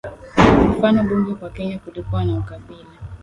mfano bunge Kwa Kenya kulikuwa na ukabila